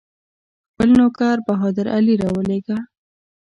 خپل نوکر بهادر علي راولېږه.